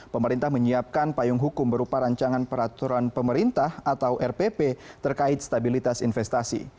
pemerintah menyiapkan payung hukum berupa rancangan peraturan pemerintah atau rpp terkait stabilitas investasi